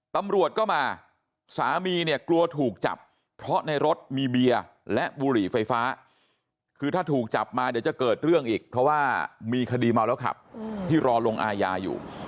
ตำรวจก็มาสามีเนี่ยกลัวถูกจับเพราะในรถมีเบียร์และบุหรี่ไฟฟ้าคือถ้าถูกจับมาเดี๋ยวจะเกิดเรื่องอีกเพราะว่ามีคดีเมาแล้วขับที่รอลงอาญาอยู่